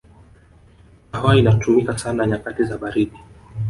kahawa inatumika sana nyakati za baridi